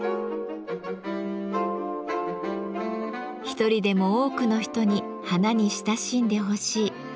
一人でも多くの人に花に親しんでほしい。